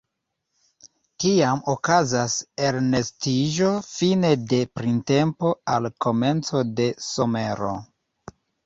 Tiam okazas elnestiĝo fine de printempo al komenco de somero.